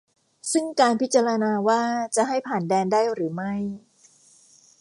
ซึ่งการพิจารณาว่าจะให้ผ่านแดนได้หรือไม่